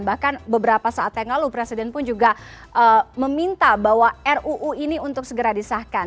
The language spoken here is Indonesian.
bahkan beberapa saat yang lalu presiden pun juga meminta bahwa ruu ini untuk segera disahkan